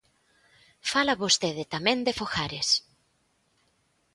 Fala vostede tamén de fogares.